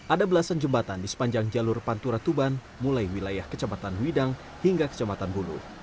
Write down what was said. ada belasan jembatan di sepanjang jalur pantura tuban mulai wilayah kecamatan widang hingga kecematan bulu